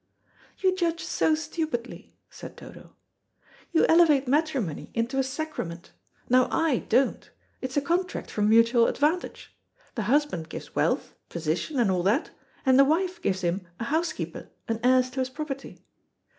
"You judge so stupidly," said Dodo; "you elevate matrimony into a sacrament. Now I don't. It is a contract for mutual advantage. The husband gives wealth, position and all that, and the wife gives him a housekeeper, and heirs to his property.